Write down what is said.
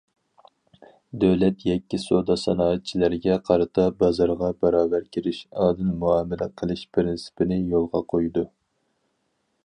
دۆلەت يەككە سودا- سانائەتچىلەرگە قارىتا بازارغا باراۋەر كىرىش، ئادىل مۇئامىلە قىلىش پىرىنسىپىنى يولغا قويىدۇ.